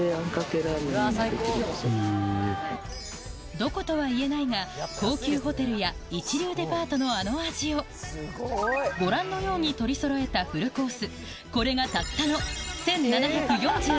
どことは言えないが高級ホテルや一流デパートのあの味をご覧のように取りそろえたフルコース